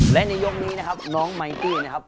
และในยกนี้นะครับน้องไมตี้นะครับ